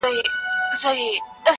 ستا آواز به زه تر عرشه رسومه-